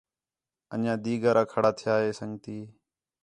اَن٘ڄیاں دِیگر آ کھڑا تِھیا ہِے سنڳتی